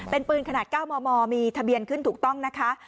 เป็นปืนขนาด๙มมมีทะเบียนขึ้นถูกต้องนะคะ